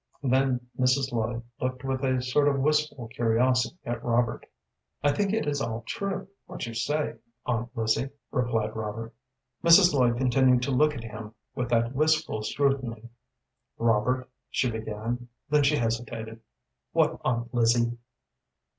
Then Mrs. Lloyd looked with a sort of wistful curiosity at Robert. "I think it is all true, what you say, Aunt Lizzie," replied Robert. Mrs. Lloyd continued to look at him with that wistful scrutiny. "Robert," she began, then she hesitated. "What, Aunt Lizzie?"